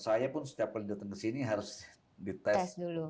saya pun setiap kali datang ke sini harus dites